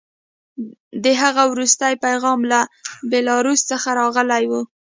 د هغه وروستی پیغام له بیلاروس څخه راغلی و